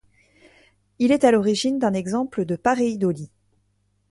Il est à l'origine d'un exemple de paréidolie.